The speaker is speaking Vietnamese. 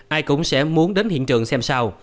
ai cũng sẽ muốn đến hiện trường sống